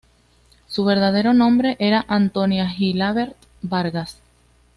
Su verdadero nombre era Antonia Gilabert Vargas.